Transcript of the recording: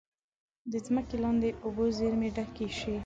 د ځمکې لاندې اوبو زیرمې ډکې شي.